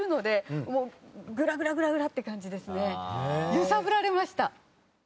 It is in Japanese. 揺さぶられました。